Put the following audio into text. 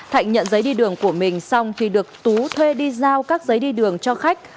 thạnh nhận giấy đi đường của mình xong khi được tú thuê đi giao các giấy đi đường cho khách